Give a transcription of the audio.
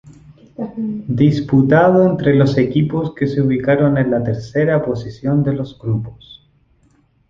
Disputado entre los equipos que se ubicaron en la tercera posición de los grupos.